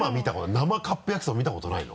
生カップ焼きそば見たことないの？